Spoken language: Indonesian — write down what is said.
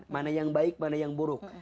mana yang baik mana yang buruk